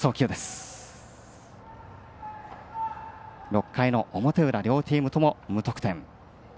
６回の表裏両チームとも無得点。